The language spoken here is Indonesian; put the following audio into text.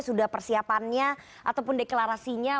sudah persiapannya ataupun deklarasinya